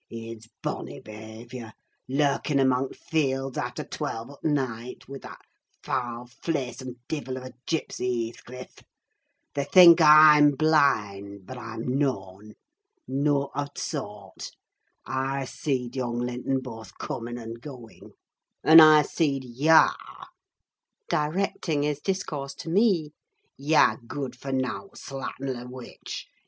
It's bonny behaviour, lurking amang t' fields, after twelve o' t' night, wi' that fahl, flaysome divil of a gipsy, Heathcliff! They think I'm blind; but I'm noan: nowt ut t' soart!—I seed young Linton boath coming and going, and I seed yah" (directing his discourse to me), "yah gooid fur nowt, slattenly witch!